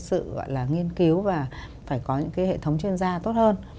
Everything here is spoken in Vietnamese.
và phải có một cái sự gọi là nghiên cứu và phải có những cái hệ thống chuyên gia tốt hơn